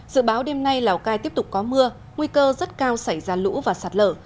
dự báo đêm nay lào cai tiếp tục có mưa nguy cơ rất cao xảy ra lũ và sạt lở